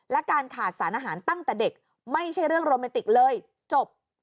และการขาดสารอาหารตั้งแต่เด็กไม่ใช่เรื่องโรแมนติกเลยจบ